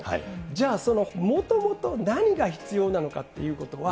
じゃあ、そのもともと何が必要なのかっていうことは。